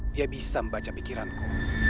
dia bisa membaca pikiranku